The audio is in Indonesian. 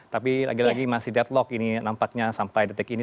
tapi lagi lagi masih deadlock ini nampaknya sampai detik ini